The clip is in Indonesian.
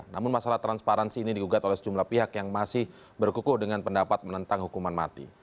namun masalah transparansi ini digugat oleh sejumlah pihak yang masih berkukuh dengan pendapat menentang hukuman mati